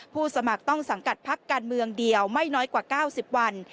สมัครต้องสังกัดพักการเมืองเดียวไม่น้อยกว่า๙๐วัน